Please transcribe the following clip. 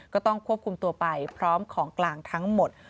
ก็ต้องควบคุมตัวไปพร้อมของกลางทั้งหมด